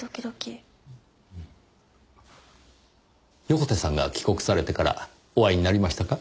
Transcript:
横手さんが帰国されてからお会いになりましたか？